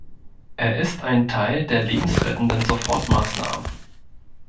Er ist ein Teil der lebensrettenden Sofortmaßnahmen.